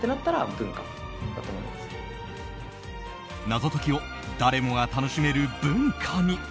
謎解きを誰もが楽しめる文化に。